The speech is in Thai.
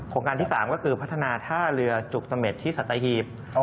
การที่๓ก็คือพัฒนาท่าเรือจุกเสม็ดที่สัตหีบ